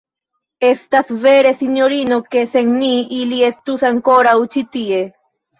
Estas vere, sinjorino, ke, sen ni, ili estus ankoraŭ ĉi tie.